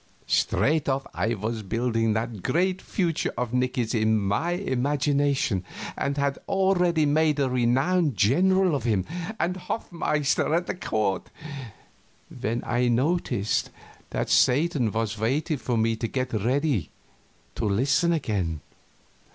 Straight off I was building that great future of Nicky's in my imagination, and had already made a renowned general of him and hofmeister at the court, when I noticed that Satan was waiting for me to get ready to listen again.